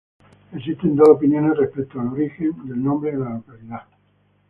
Existen dos opiniones respecto del origen del nombre de la localidad.